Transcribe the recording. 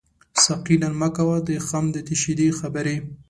ساقي نن مه کوه د خُم د تشیدو خبري